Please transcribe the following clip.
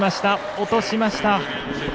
落としました。